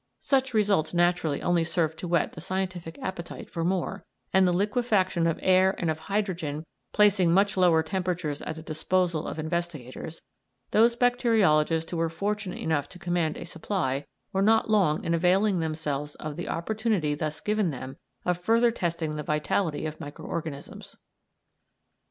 Such results naturally only served to whet the scientific appetite for more, and the liquefaction of air and of hydrogen placing much lower temperatures at the disposal of investigators, those bacteriologists who were fortunate enough to command a supply were not long in availing themselves of the opportunity thus given them of further testing the vitality of micro organisms.